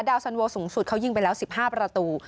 สันโวสูงสุดเขายิงไปแล้ว๑๕ประตู